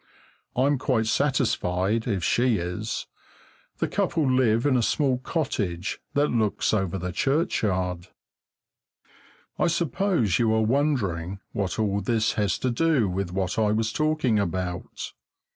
I'm quite satisfied, if she is! The couple live in a small cottage that looks over the churchyard. I suppose you are wondering what all this has to do with what I was talking about.